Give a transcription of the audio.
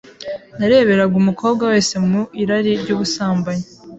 Nareberaga umukobwa wese mu irari ry’ubusambanyi.